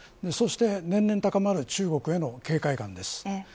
そして、年々高まる中国への警戒感です。